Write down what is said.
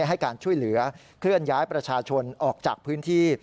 ให้การช่วยเหลือเคลื่อนย้ายประชาชนออกจากพื้นที่